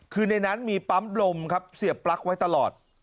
คือในนั้นมีปั๊มลมครับเสียบปลั๊กไว้ตลอด